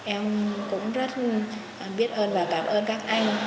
em cũng rất biết ơn và cảm ơn các anh